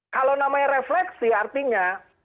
kalau namanya refleksi artinya